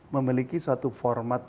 memiliki suatu format